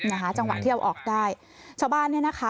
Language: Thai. เนี้ยจังหวะเที่ยวออกได้ชาวบ้านเนี่ยนะคะ